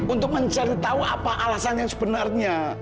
untuk mencari tahu apa alasannya sebenarnya